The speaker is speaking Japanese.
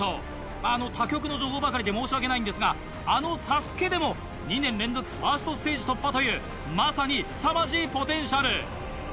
あの他局の情報ばかりで申し訳ないんですがあの『ＳＡＳＵＫＥ』でも２年連続ファーストステージ突破というまさにすさまじいポテンシャル。